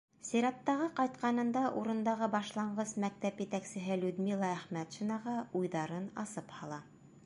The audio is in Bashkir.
Сираттағы ҡайтҡанында урындағы башланғыс мәктәп етәксеһе Людмила Әхмәтшинаға уйҙарын асып һала.